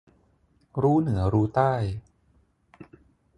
รู้เหนือรู้ใต้